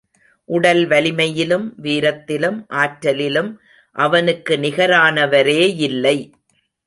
உடல் வலிமையிலும், வீரத்திலும், ஆற்றலிலும் அவனுக்கு நிகரானவரேயில்லை.